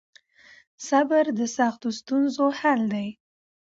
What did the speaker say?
صبر د سختو ستونزو حل دی.